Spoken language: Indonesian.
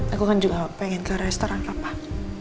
aku kan juga pengen ke restoran apa